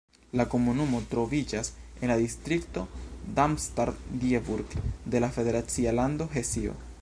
La komunumo troviĝas en la distrikto Darmstadt-Dieburg de la federacia lando Hesio.